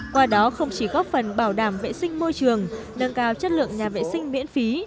qua đó không chỉ góp phần bảo đảm vệ sinh môi trường nâng cao chất lượng nhà vệ sinh miễn phí